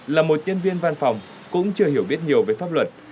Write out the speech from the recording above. là một nhân viên văn phòng cũng chưa hiểu biết nhiều về pháp luật